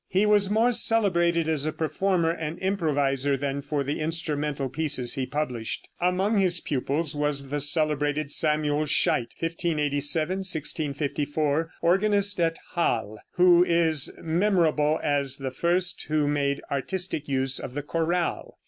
He was more celebrated as a performer and improviser than for the instrumental pieces he published. Among his pupils was the celebrated Samuel Scheidt (1587 1654), organist at Halle, who is memorable as the first who made artistic use of the chorale.